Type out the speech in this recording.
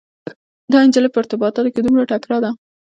دا انجلۍ په ارتباطاتو کې دومره تکړه ده.